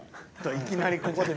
いきなりここで。